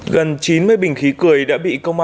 gần chín mươi bình khí cười đã bị công an